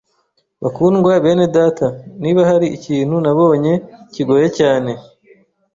Bakundwa bene Data, niba hari ikintu nabonye kigoye cyane